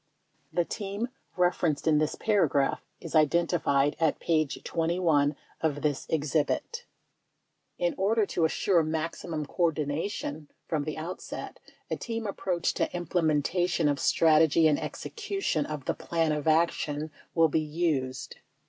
The "team" referenced in this paragraph is identified at p. 21 of this exhibit : In order to assure maximum coordination from the out set a team approach to implementation of strategy and execution of the plan of action will be used.